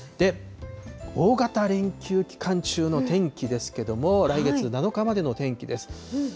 大型連休期間中の天気ですけども、来月７日までの天気です。